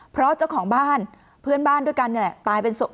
เพราะเจ้าของบ้านเพื่อนบ้านด้วยกันนี่แหละตายเป็นศพ